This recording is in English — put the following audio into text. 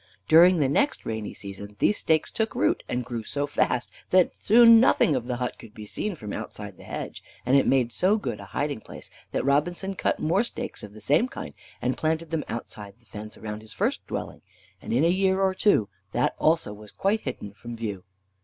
During the next rainy season these stakes took root, and grew so fast that soon nothing of the hut could be seen from outside the hedge, and it made so good a hiding place, that Robinson cut more stakes of the same kind, and planted them outside the fence around his first dwelling; and in a year or two that also was quite hidden from view.